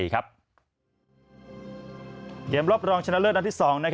เกมรอบรองชนะเลิศนัดที่๒